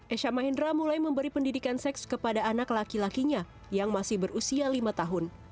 esha mahendra mulai memberi pendidikan seks kepada anak laki lakinya yang masih berusia lima tahun